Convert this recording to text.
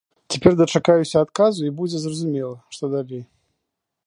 Цяпер дачакаюся адказу, і будзе зразумела, што далей.